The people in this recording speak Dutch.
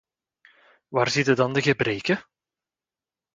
Waar zitten dan de gebreken?